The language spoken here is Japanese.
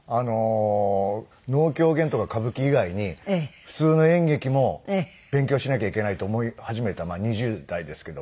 能狂言とか歌舞伎以外に普通の演劇も勉強しなきゃいけないと思い始めた２０代ですけども。